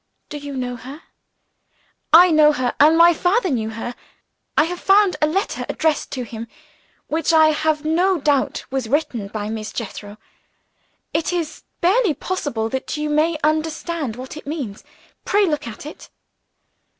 Do you know her?" "I know her and my father knew her. I have found a letter, addressed to him, which I have no doubt was written by Miss Jethro. It is barely possible that you may understand what it means. Pray look at it."